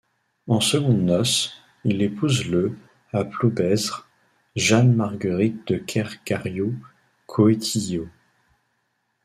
En secondes noces, il épouse le à Ploubezre, Jeanne-Marguerite de Kergariou-Coëtilliau.